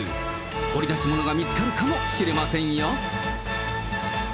掘り出し物が見つかるかもしれませんよ。